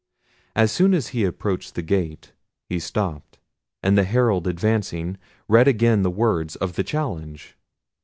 As soon as he approached the gate he stopped; and the herald advancing, read again the words of the challenge.